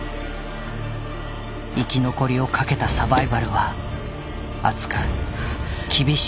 ［生き残りをかけたサバイバルはあつく厳しい夏を迎えた］